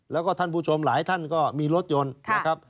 แล้วก็ท่านผู้ชมหลายท่านก็มีรถยนต์นะครับ